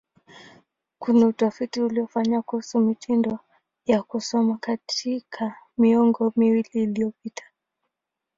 Kuna utafiti uliofanywa kuhusu mitindo ya kusoma katika miongo miwili iliyopita.